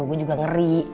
gue juga ngeri